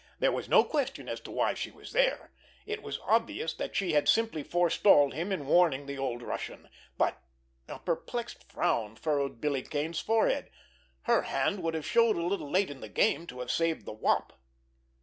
There was no question as to why she was there; it was obvious that she had simply forestalled him in warning the old Russian; but—a perplexed frown furrowed Billy Kane's forehead—her hand would have showed a little late in the game to have saved the Wop!